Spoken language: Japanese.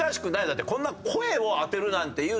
だってこんな声を当てるなんていうのはね